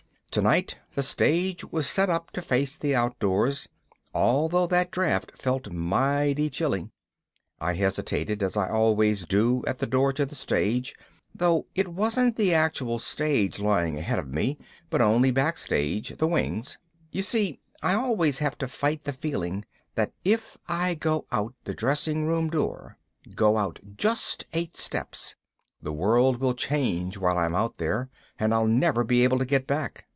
Tonight the stage was set up to face the outdoors, although that draft felt mighty chilly. I hesitated, as I always do at the door to the stage though it wasn't the actual stage lying just ahead of me, but only backstage, the wings. You see, I always have to fight the feeling that if I go out the dressing room door, go out just eight steps, the world will change while I'm out there and I'll never be able to get back.